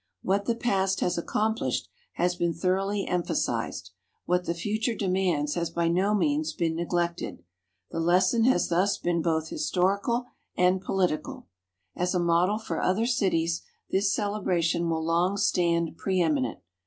What the past has accomplished has been thoroughly emphasized; what the future demands has by no means been neglected. The lesson has thus been both historical and political. As a model for other cities this celebration will long stand preëminent.